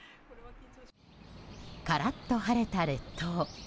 カラッと晴れた列島。